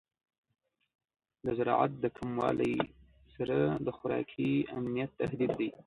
د زراعت د کموالی سره د خوراکي امنیت تهدید دی.